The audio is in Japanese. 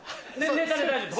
ネタで大丈夫です。